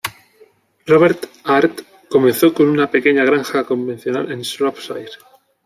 Robert Hart comenzó con una pequeña granja convencional en Shropshire.